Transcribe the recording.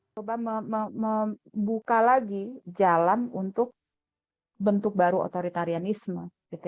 coba membuka lagi jalan untuk bentuk baru otoritarianisme